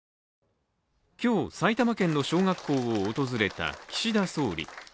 今日、埼玉県の小学校を訪れた岸田総理。